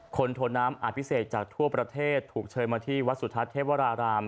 โทน้ำอภิเษกจากทั่วประเทศถูกเชิญมาที่วัดสุทัศน์เทพวราราม